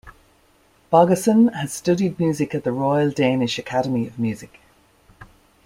Bogason has studied music at the Royal Danish Academy of Music.